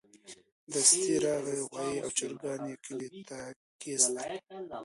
دستي راغی غوايي او چرګان يې کلي ته کېستل.